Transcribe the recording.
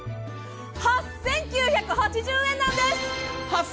８９８０円なんです！